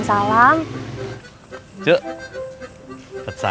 apa apa jepang teknik nya